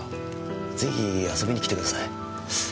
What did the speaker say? ぜひ遊びに来てください。